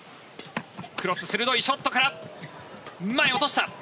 クロス、鋭いショットから前に落とした。